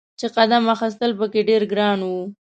چې قدم اخیستل په کې ډیر ګران و.